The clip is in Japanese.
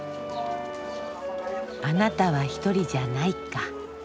「あなたは一人じゃない」か。